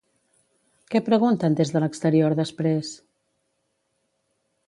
Què pregunten des de l'exterior després?